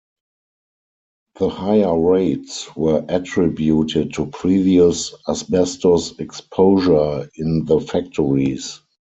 The higher rates were attributed to previous asbestos exposure in the factories.